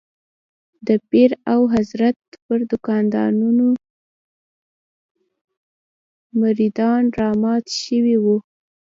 د پیر او حضرت پر دوکانونو مريدان رامات شوي وو.